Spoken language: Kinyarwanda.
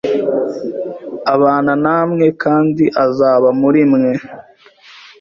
abana namwe, kandi azaba muri mwe."